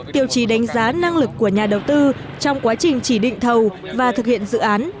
tiêu chí đánh giá năng lực của nhà đầu tư trong quá trình chỉ định thầu và thực hiện dự án